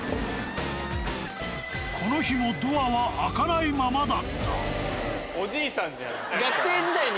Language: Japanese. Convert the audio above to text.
この日もドアは開かないままだった。